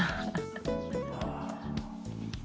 ああ。